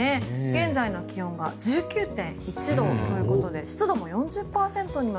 現在の気温は１９．１度ということで湿度も４０％にまで。